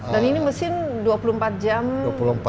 dan ini mesin dua puluh empat jam